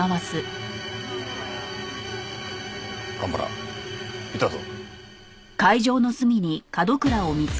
蒲原いたぞ。